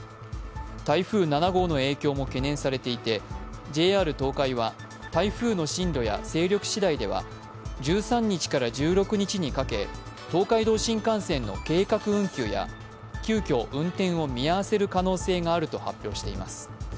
台風７号の影響も懸念されていて、ＪＲ東海は台風の進路や勢力しだいでは１３日から１６日にかけ東海道新幹線の計画運休や急きょ運転を見合わせる可能性があると発表しています。